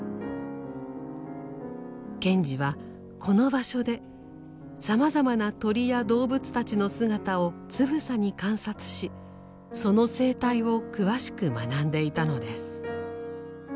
賢治はこの場所でさまざまな鳥や動物たちの姿をつぶさに観察しその生態を詳しく学んでいたのです。